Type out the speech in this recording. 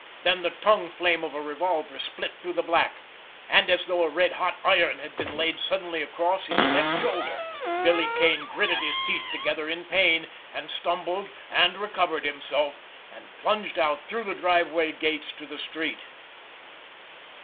Then the tongue flame of a revolver split through the black. And as though a red hot iron had been laid suddenly across his left shoulder, Billy Kane gritted his teeth together in pain—and stumbled—and recovered himself—and plunged out through the driveway gates to the street.